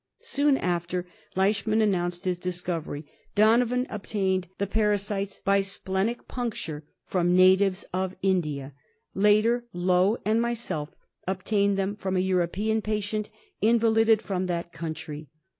Soon after Leishman announced his discovery, Donovan obtained the parasites by splenic puncture KALA AZAR. 139 from natives of India ; later, Low and myself obtained them from a European patient invalided from that country.